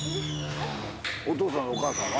お父さんとお母さんは？